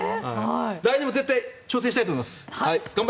来年も絶対挑戦したいと思います。